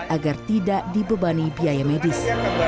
agar tidak dibebani biaya medis